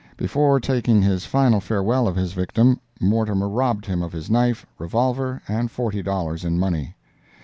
Before taking his final farewell of his victim, Mortimer robbed him of his knife, revolver, and forty dollars in money.